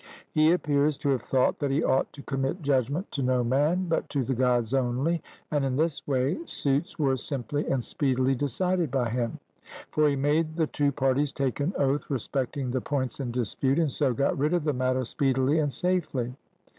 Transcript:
He appears to have thought that he ought to commit judgment to no man, but to the Gods only, and in this way suits were simply and speedily decided by him. For he made the two parties take an oath respecting the points in dispute, and so got rid of the matter speedily and safely.